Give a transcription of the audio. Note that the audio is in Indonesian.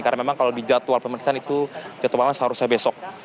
karena memang kalau di jadwal pemeriksaan itu jadwalnya seharusnya besok